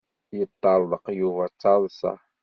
Yeṭṭeṛḍeq Yuba d taḍsa.